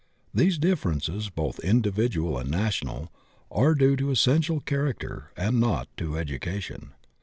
These differences, both individual and national, are due to essential character and not to education.